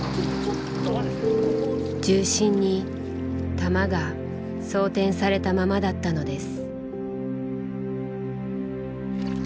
銃身に弾が装填されたままだったのです。